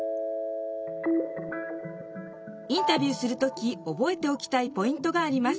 インタビューする時おぼえておきたいポイントがあります。